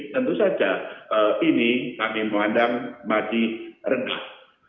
tentu saja ini kami memandang masih rendah